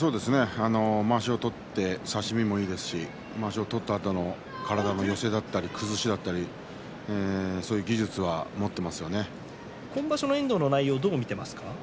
まわしを取って差し身もいいですしまわしを取ったあとの体の寄せだったり崩しだったり今場所の遠藤の内容はどう見ていますか？